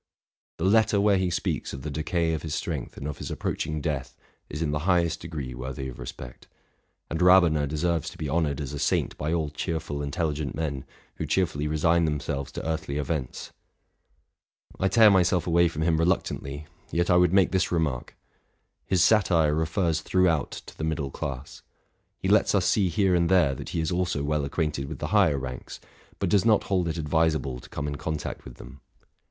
'The letter where he speaks of the decay of his strength and of his approaching death is in the highest degree worthy of respect; and Ra bener deserves to be honored as a saint by all cheerful, intel ligent men, who cheerfully resign themselves to earthly events. RELATING TO MY LIFE. 217 I tear myself away from him reluctantly, yet IT would make this remark : his satire refers throughout to the middle class ; he lets us see here and there that he is also well acquainted with the higher ranks, but does not hold it advisable to come in contact with them.